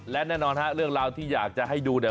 และแน่นอนฮะเรื่องราวที่อยากจะให้ดูเนี่ย